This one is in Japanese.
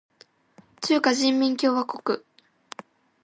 中華人民共和国